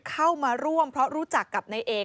เข้ามาร่วมเพราะรู้จักกับนายเอก